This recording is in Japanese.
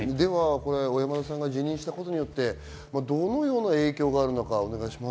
小山田さんが辞任したことでどのような影響があるのかです。